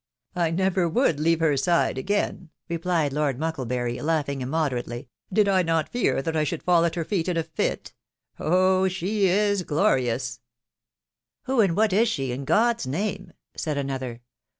" I never would leave her aside again," replied Lord Muckle bury, laughing immoderately, " did I not fear that I should fall at her feet in a fit Oh ! she is glorious 1 "" Who and what is she, in God's name ?" said another.